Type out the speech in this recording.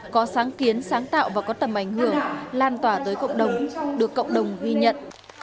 có sáng kiến sáng tạo và có tầm ảnh hưởng lan tỏa tới cộng đồng được cộng đồng ghi nhận